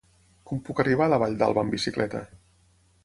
Com puc arribar a la Vall d'Alba amb bicicleta?